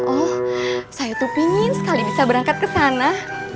oh saya tuh pingin sekali bisa berangkat ke sana